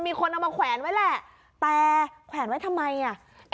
มีคนเอามาแขวนไว้แหละแต่แขวนไว้ทำไมอ่ะ